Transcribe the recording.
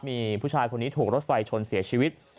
มีผู้ชายคนนี้ถูกรถไฟชนเสียชีวิต